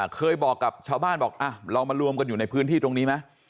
เคยบอกกับชาวบ้านบอกเรามารวมกันอยู่ในพื้นที่ตรงนี้ไหม